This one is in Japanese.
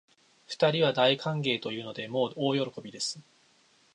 二人は大歓迎というので、もう大喜びです